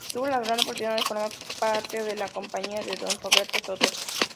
Tuvo la gran oportunidad de formar parte de la compañía de don Roberto Soto.